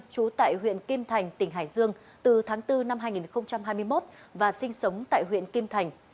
trú tại huyện kim thành tỉnh hải dương từ tháng bốn năm hai nghìn hai mươi một và sinh sống tại huyện kim thành